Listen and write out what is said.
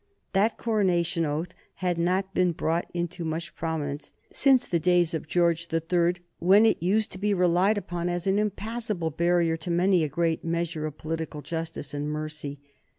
That coronation oath had not been brought into much prominence since the days of George the Third, when it used to be relied upon as an impassable barrier to many a great measure of political justice and mercy.